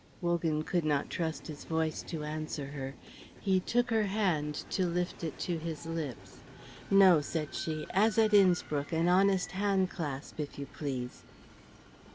Wogan could not trust his voice to answer her. He took her hand to lift it to his lips. "No," said she; "as at Innspruck, an honest handclasp, if you please."